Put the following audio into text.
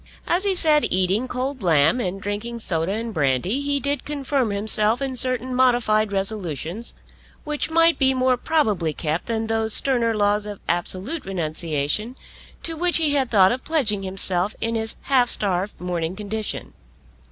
As he sat eating cold lamb and drinking soda and brandy he did confirm himself in certain modified resolutions, which might be more probably kept than those sterner laws of absolute renunciation to which he had thought of pledging himself in his half starved morning condition.